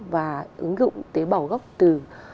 và ứng dụng tế bào gốc từ